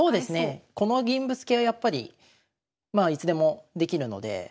この銀ぶつけはやっぱりまあいつでもできるので。